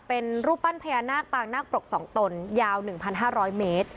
เป็นรูปปั้นพญานาคปางนาคปรก๒ตนยาว๑๕๐๐เมตร